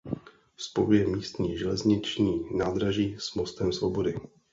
Spojuje místní železniční nádraží s Mostem Svobody.